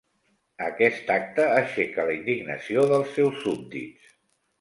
Aquest acte aixeca la indignació dels seus súbdits.